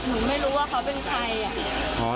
หนูไม่รู้ว่าเขาเป็นใครอ่ะ